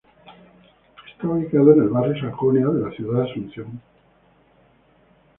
Está ubicado en el barrio Sajonia de la ciudad de Asunción.